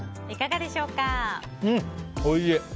うん、おいしい！